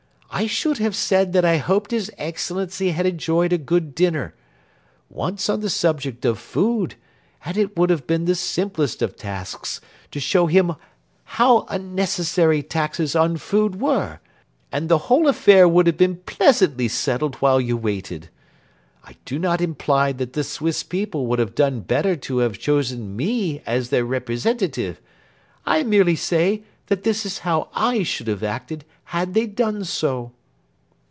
I should have said that I hoped His Excellency had enjoyed a good dinner. Once on the subject of food, and it would have been the simplest of tasks to show him how unnecessary taxes on food were, and the whole affair would have been pleasantly settled while you waited. I do not imply that the Swiss people would have done better to have chosen me as their representative. I merely say that that is how I should have acted had they done so."